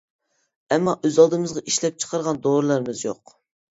ئەمما ئۆز ئالدىمىزغا ئىشلەپچىقارغان دورىلىرىمىز يوق.